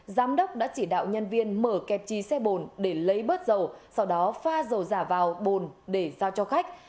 giám đốc đã chỉ đạo nhân viên mở kẹp trì xe bồn để lấy bớt dầu sau đó pha dầu giả vào bồn để giao cho khách